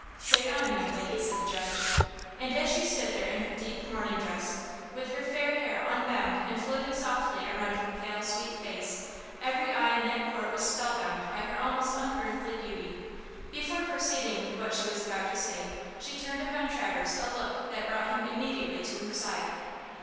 "Say on, young lady," said the judge. And as she stood there in her deep mourning dress, with her fair hair unbound and floating softly around her pale, sweet face, every eye in that court was spellbound by her almost unearthly beauty. Before proceeding with what she was about to say, she turned upon Traverse a look that brought him immediately to her side.